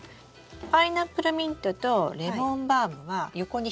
パイナップルミントとレモンバームは横に広がってく感じです。